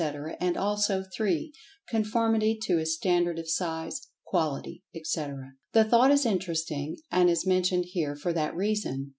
[Pg 95] and also (3) Conformity to a Standard of Size, Quality, etc. The thought is interesting, and is mentioned here for that reason.